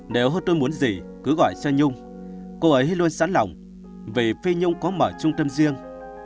nếu hơn tôi muốn gì cứ gọi xe nhung cô ấy luôn sẵn lòng vì phi nhung có mở trung tâm riêng